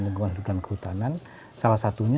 lingkungan hidup dan kehutanan salah satunya